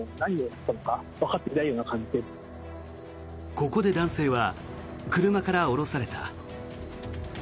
ここで男性は車から降ろされた。